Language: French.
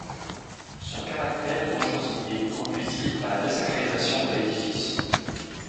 Son caractère de dangerosité conduisit à la désacralisation de l'édifice.